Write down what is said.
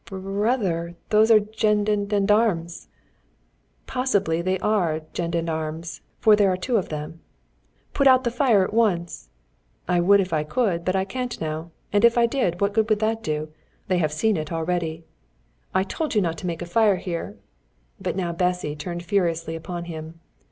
"Br r rother, those are gend end end armes!" "Possibly they are gend end armes, for there are two of them." "Put out the fire at once!" "I would if I could, but I can't now. And if I did, what good would that do? They have seen it already." "I told you not to make a fire here." But now Bessy turned furiously upon him.